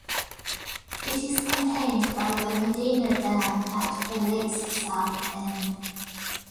It is contained by the Medina Dam at the lake's south end.